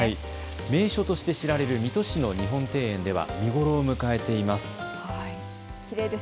名所として知られる水戸市の日本庭園では見頃を迎えています。